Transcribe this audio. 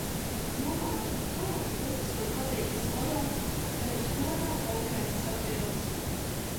Domāju, kādas puķes man patīk vislabāk, bet uz to nav konkrētas atbildes.